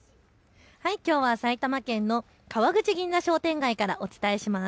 きょうは埼玉県の川口銀座商店街からお伝えします。